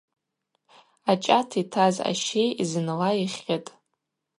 Ачӏат йтаз ащей зынла йхьытӏ.